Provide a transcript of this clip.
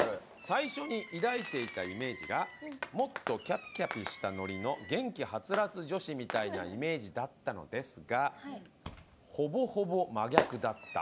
最初に抱いていたイメージがもっとキャピキャピしたノリの元気ハツラツ女子みたいなイメージだったのですが。